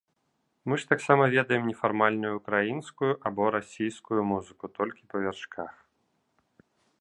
Мы ж таксама ведаем нефармальную ўкраінскую або расійскую музыку толькі па вяршках.